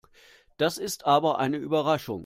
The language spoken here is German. Das ist aber eine Überraschung.